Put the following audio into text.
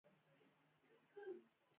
دا ښه ده چې ګران طيب الله خان پرې په اردو